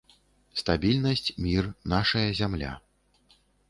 Стабільнасць, мір, нашая зямля.